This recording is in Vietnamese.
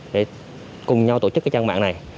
để cùng nhau tổ chức các trang mạng này